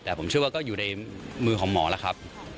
แต่ผมเชื่อว่าก็อยู่ในมือของหมอแล้วครับ